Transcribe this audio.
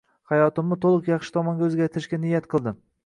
Hayotimni to’liq yaxshi tomonga o’zgartirishga niyat qildim.